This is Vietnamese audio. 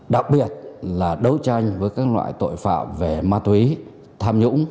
đặc biệt là đấu tranh với các loại tội phạm về ma túy tham nhũng